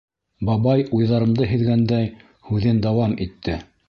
Бабай уйҙарымды һиҙгәндәй һүҙен дауам итте: